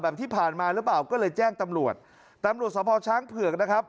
ที่ผ่านมาหรือเปล่าก็เลยแจ้งตำรวจตำรวจสภช้างเผือกนะครับ